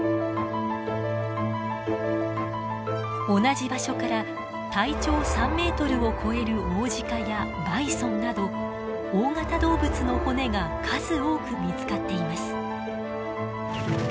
同じ場所から体長３ｍを超えるオオジカやバイソンなど大型動物の骨が数多く見つかっています。